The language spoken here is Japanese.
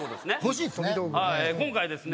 今回ですね